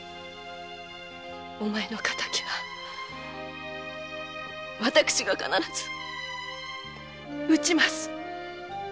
お前の敵は私が必ず討ちます。